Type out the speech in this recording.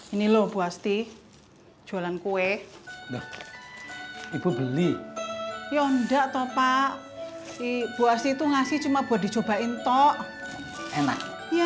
ini lo buasti jualan kue beli ya ndak toh pak si buas itu ngasih cuma buat dicoba into enak